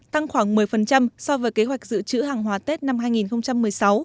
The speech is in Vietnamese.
tăng khoảng một mươi so với kế hoạch giữ chữ hàng hóa tết năm hai nghìn một mươi sáu